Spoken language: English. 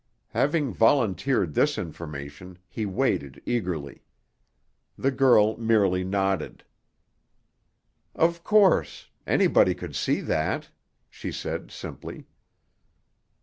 Having volunteered this information, he waited eagerly. The girl merely nodded. "Of course. Anybody could see that," she said simply.